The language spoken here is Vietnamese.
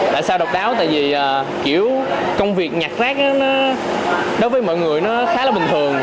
tại sao độc đáo tại vì kiểu công việc nhặt rác nó đối với mọi người nó khá là bình thường